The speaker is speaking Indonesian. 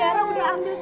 ya tiara kenapa nangis